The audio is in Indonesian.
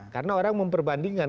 karena orang memperbandingkan